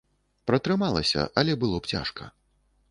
Пратрымалася, але было б цяжка.